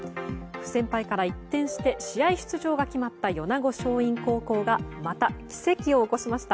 不戦敗から一転して試合出場が決まった米子松蔭高校がまた奇跡を起こしました。